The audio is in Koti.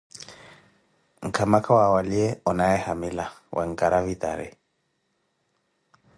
Nkama kawa waliye onaye hamila, wencaravitari